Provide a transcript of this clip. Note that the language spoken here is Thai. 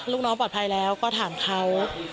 ลูกน้องปลอดภัยแล้วก็ถามเขา